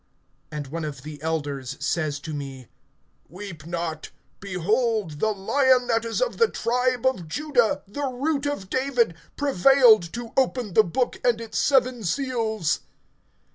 (5)And one of the elders says to me: Weep not; behold, the Lion that is of the tribe of Judah, the Root of David, prevailed to open the book, and its seven seals.